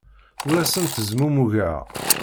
Ur asen-ttezmumugeɣ.